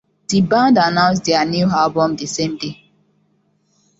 The band announced their new album the same day.